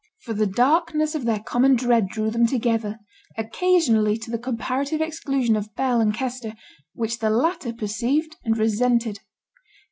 For the darkness of their common dread drew them together, occasionally to the comparative exclusion of Bell and Kester, which the latter perceived and resented.